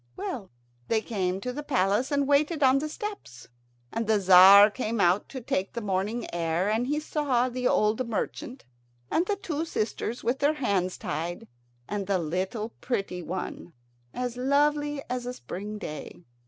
Well, they came to the palace, and waited on the steps; and the Tzar came out to take the morning air, and he saw the old merchant, and the two sisters with their hands tied, and the little pretty, one, as lovely as a spring day.